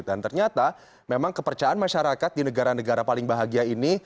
dan ternyata memang kepercayaan masyarakat di negara negara paling bahagia ini